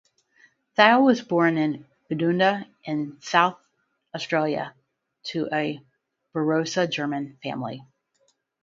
Thiele was born in Eudunda in South Australia to a Barossa German family.